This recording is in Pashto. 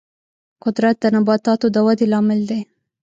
قدرت د نباتاتو د ودې لامل دی.